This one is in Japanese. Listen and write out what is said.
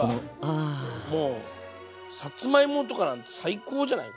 もうさつまいもとかなんて最高じゃない？